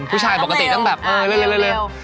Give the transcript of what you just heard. ผู้ชายปกติามันแบบเลยร่า